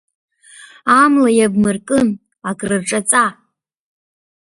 Амла иабмыркын, акрырҿаҵа!